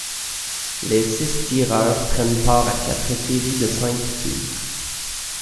Les six tireurs prennent part à quatre séries de cinq tirs.